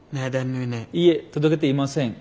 いえ届けていません。